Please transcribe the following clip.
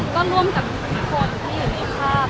ก็ร่วมกับทุกคนที่อยู่ในภาพ